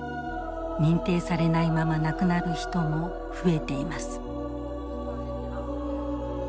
認定されないまま亡くなる人も増えています。